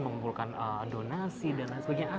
mengumpulkan donasi dan sebagainya